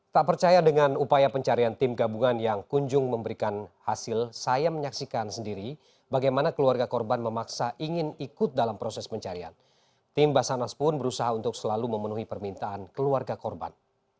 doa yang sama dipanjatkan agar tuhan memberikan kelancaran proses pencarian dan memberi kekuatan kepada keluarga korban